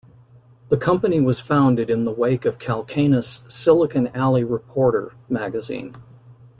The company was founded in the wake of Calacanis' "Silicon Alley Reporter" magazine.